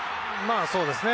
そうですね。